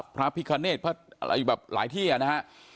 พระพิการเนตพระอะไรอยู่แบบหลายที่อะนะฮะ